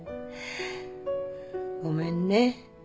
ごめんね。